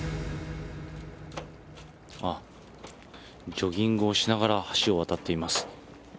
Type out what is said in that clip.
あっ、ジョギングをしながら橋を渡っています。